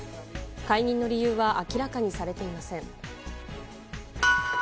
解任の理由は明らかにされていません。